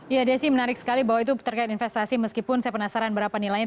ya desi menarik sekali bahwa itu terkait investasi meskipun saya penasaran berapa nilainya